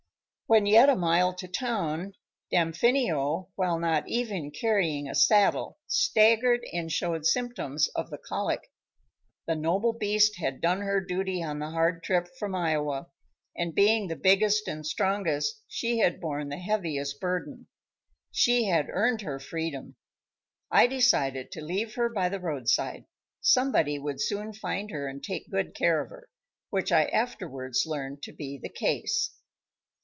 When yet a mile to town, Damfino while not even carrying a saddle, staggered and showed symptoms of the colic. The noble beast had done her duty on the hard trip from Iowa, and being the biggest and strongest, she had borne the heaviest burden. She had earned her freedom. I decided to leave her by the roadside. Somebody would soon find her, and take good care of her; which I afterwards learned to be the case.